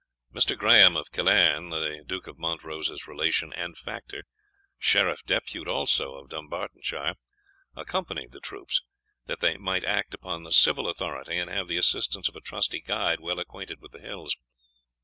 Mr. Graham of Killearn, the Duke of Montrose's relation and factor, Sheriff depute also of Dumbartonshire, accompanied the troops, that they might act under the civil authority, and have the assistance of a trusty guide well acquainted with the hills.